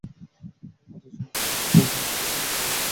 অথচ হরতাল-অবরোধের অজুহাতে দুই মাস ধরে মিল্ক ভিটা দুধ কিনছে না।